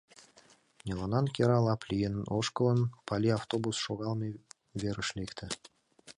Нелылан кӧра лап лийын ошкылын, Пали автобус шогалме верыш лекте.